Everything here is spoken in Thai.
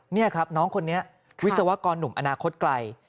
นี่ครับน้องคนนี้วิศวกรหนุ่มอนาคตไกล